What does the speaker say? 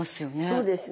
そうですね。